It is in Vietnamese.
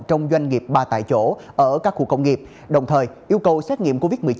trong doanh nghiệp ba tại chỗ ở các khu công nghiệp đồng thời yêu cầu xét nghiệm covid một mươi chín